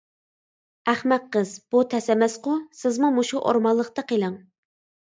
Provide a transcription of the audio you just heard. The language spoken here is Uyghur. ئەخمەق قىز، بۇ تەس ئەمەسقۇ سىزمۇ مۇشۇ ئورمانلىقتا قېلىڭ.